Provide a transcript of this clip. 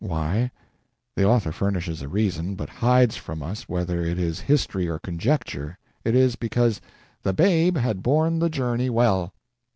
Why? The author furnishes a reason, but hides from us whether it is history or conjecture; it is because "the babe had borne the journey well."